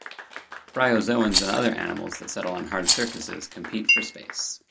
Bryozoans and other animals that settle on hard surfaces compete for space.